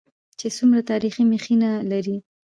چې څومره تاريخي مخينه لري.